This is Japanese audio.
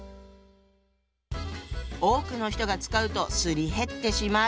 多くの人が使うとすり減ってしまう。